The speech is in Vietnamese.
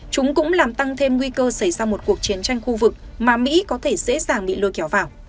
chúng cũng làm tăng thêm nguy cơ xảy ra một cuộc chiến tranh khu vực mà mỹ có thể dễ dàng bị lôi kéo vào